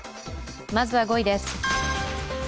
まずは５位です。